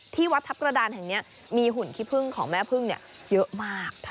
ที่วัดทัพกระดานแห่งนี้มีหุ่นขี้พึ่งของแม่พึ่งเยอะมาก